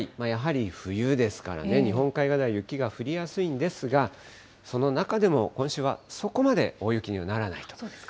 やはり冬ですからね、日本海側では雪が降りやすいんですが、その中でも今週は、そこまで大雪にはならないと。